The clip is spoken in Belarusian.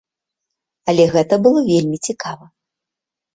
Але гэта было вельмі цікава.